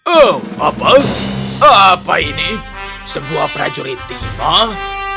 oh apa apa ini sebuah prajurit tiba